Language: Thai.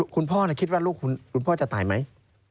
คุณพ่อคิดว่าลูกคุณพ่อจะตายไหม